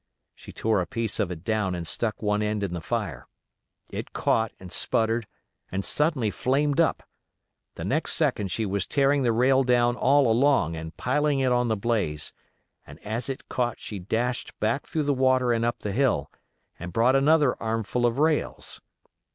She tore a piece of it down and stuck one end in the fire: it caught and sputtered and suddenly flamed up; the next second she was tearing the rail down all along and piling it on the blaze, and as it caught she dashed back through the water and up the hill, and brought another armful of rails.